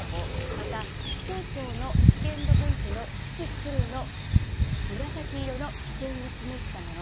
また気象庁の危険度分布のキキクルの紫色の危険を示したもの。